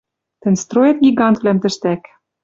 Тӹнь строет гигантвлӓм тӹштӓк